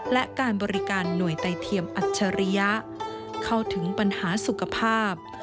และการบริการหน่วยไตเทียมอัจฉริยะเข้าถึงปัญหาสุขภาพ